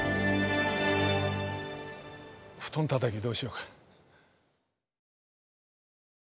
布団たたきどうしようか。